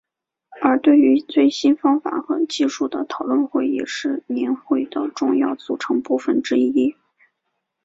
而对于最新方法和技术的讨论会也是年会的重要组成部分之一。